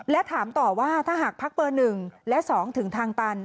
และถามต่อว่าถ้าหากพักเบอร์๑และ๒ถึงทางตัน